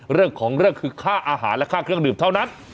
เรื่องของเรื่องคือค่าอาหารและค่าเครื่องดื่มเท่านั้น